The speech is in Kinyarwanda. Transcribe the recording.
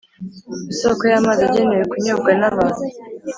isoko y amazi agenewe kunyobwa n abantu